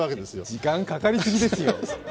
時間かかりすぎですよ。